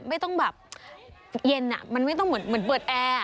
ไม่ต้องแบบเย็นมันไม่ต้องเหมือนเปิดแอร์